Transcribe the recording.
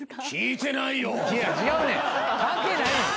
聞いてないよ。